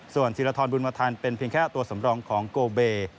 ส่วนธีรทรบุญมาทันเป็นเพียงแค่ตัวสำรองของโกเบ